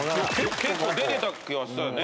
結構出てた気がしたよね。